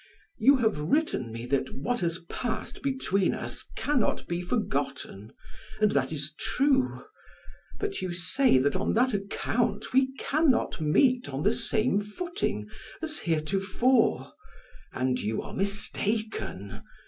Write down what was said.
You have written me that what has passed between us can not be forgotten, and that is true; but you say that on that account we can not meet on the same footing as heretofore, and you are mistaken.